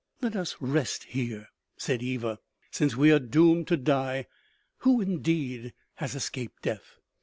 " Let us rest here," said Eva, " since we are doomed to die. Who, indeed, has escaped death